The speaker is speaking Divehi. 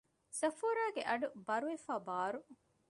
ޞަފޫރާގެ އަޑު ބަރުވެފައި ބާރު